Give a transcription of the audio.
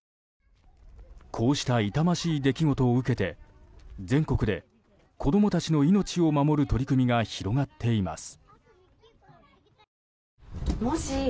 こうした痛ましい出来事を受けて全国で、子供たちの命を守る取り組みが広がっています。